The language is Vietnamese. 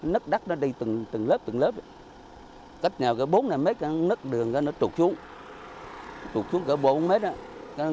nớp đắt nó đi từng lớp từng lớp cách nhau cả bốn năm mét nó nớp đường nó trục xuống trục xuống cả bốn mét đó